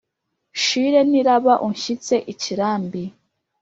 nshire n' iraba ushyitse ikirambi